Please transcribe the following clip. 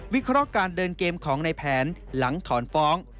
เคราะห์การเดินเกมของในแผนหลังถอนฟ้อง